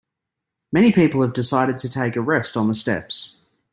Many people have decided to take a rest on the steps.